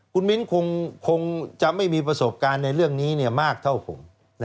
คุณมิ้นคงจะไม่มีประสบการณ์ในเรื่องนี้มากเท่าผม